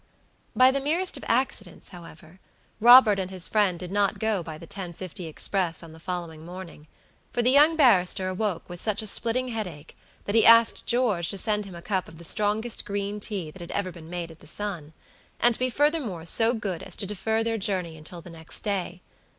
By the merest of accidents, however, Robert and his friend did not go by the 10.50 express on the following morning, for the young barrister awoke with such a splitting headache, that he asked George to send him a cup of the strongest green tea that had ever been made at the Sun, and to be furthermore so good as to defer their journey until the next day.